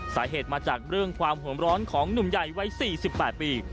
สาเหตุมาจากเรื่องความหวมร้อนของหนุ่มใหญ่ไว้สี่สิบแปดปี